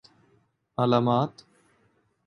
علامات